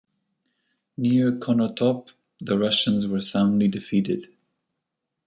Near Konotop, the Russians were soundly defeated.